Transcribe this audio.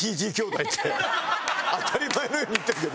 当たり前のように言ってるけど。